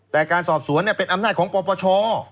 แต่การสอบสวนเป็นอำนาจของปปช